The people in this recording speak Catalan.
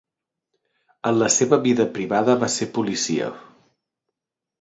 En la seva vida privada va ser policia.